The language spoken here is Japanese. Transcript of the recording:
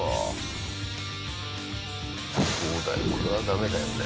そうだよこれはダメだよね。